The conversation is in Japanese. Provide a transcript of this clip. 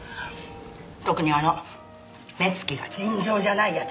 特にあの目つきが尋常じゃない奴。